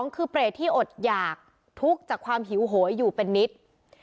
คือเปรตที่อดหยากทุกข์จากความหิวโหยอยู่เป็นนิด